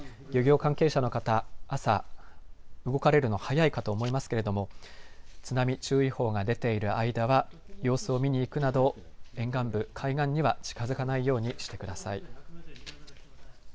漁業関係者の方、朝、動かれるの早いかと思いますけれども津波注意報が出ている間は様子を見に行くなど沿岸部、海岸には近づかないようにしてください。